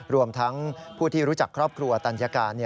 รวมทั้งผู้ที่รู้จักครอบครัวตัญการ